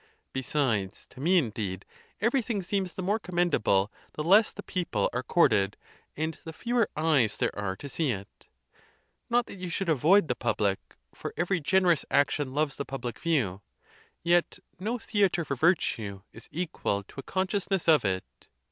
Besides, to me, indeed, everything seems the more commendable the less the people are courted, and the fewer eyes there > 90 _ THE TUSCULAN DISPUTATIONS. are to see it. Not that you should avoid the public, for every generous action loves the public view; yet no the atre for virtue is equal to a consciousness of it.